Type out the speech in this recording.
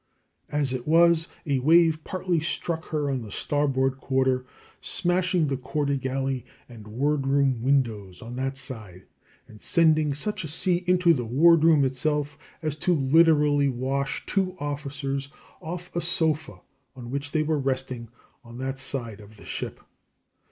As it was, a wave partly struck her on the starboard quarter, smashing the quarter galley and ward room windows on that side, and sending such a sea into the ward room itself as to literally wash two officers off a sofa on which they were resting on that side of the ship.